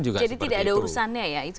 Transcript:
jadi tidak ada urusannya ya